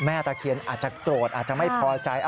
ตะเคียนอาจจะโกรธอาจจะไม่พอใจ